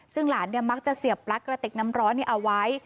ซึ่งหลานมักจะเสียบปลั๊กกระติกน้ำร้อนเอาไว้